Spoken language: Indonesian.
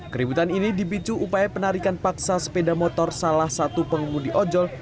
keributan ini dipicu upaya penarikan paksa sepeda motor salah satu pengemudi ojol